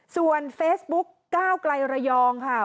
ส่วนเฟซบุ๊กก้าวไกลระยองค่ะ